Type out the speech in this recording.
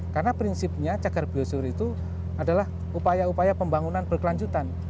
karena prinsipnya cagar biosfir itu adalah upaya upaya pembangunan berkelanjutan